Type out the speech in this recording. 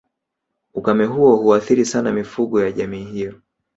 Ukame huo huathiri sana mifugo ya jamii hiyo